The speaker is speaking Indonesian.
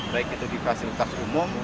baik itu di fasilitas umum